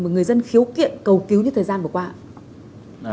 mà người dân khiếu kiện cầu cứu như thời gian vừa qua ạ